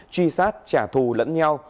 truy sát trả thù lẫn nhau